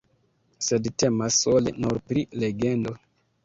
Sed temas sole nur pri legendo.